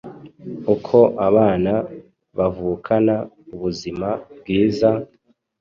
uko abana bavukana ubuzima bwiza,